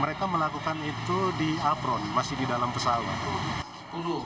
mereka melakukan itu di apron masih di dalam pesawat